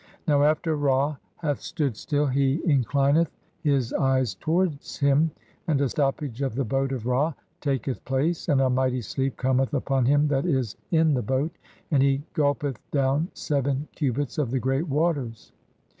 Now after Ra hath stood still he inclineth "his eyes towards him and a stoppage of the boat [of Ra] taketh "place, and a mighty (7) sleep cometh upon him that is in the "boat, and he gulpeth down seven cubits of the great waters.